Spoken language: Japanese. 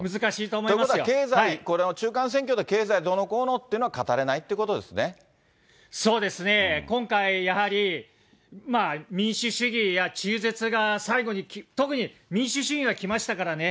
ということは、経済、これの中間選挙で経済どうのこうのというのは語れないということそうですね、今回やはり、民主主義や中絶が最後に、特に民主主義がきましたからね。